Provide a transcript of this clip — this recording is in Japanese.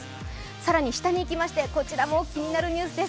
更に下にいきまして、こちらも気になるニュースです。